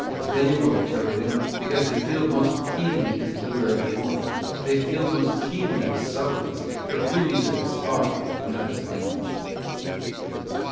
They will interpret him because they feel most keenly his literary form ; they feel most keenly his subtleties, the beauties of his thought and of his language.